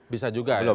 bisa juga ya